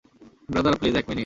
Brother, please এক minute.